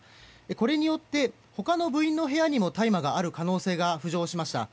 これによって他の部員の部屋にも大麻がある可能性が浮上しました。